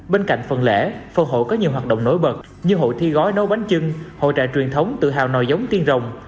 bên cạnh phần lễ phần hội có nhiều hoạt động nổi bật như hội thi gói nấu bánh trưng hội trại truyền thống tự hào nồi giống tiên rồng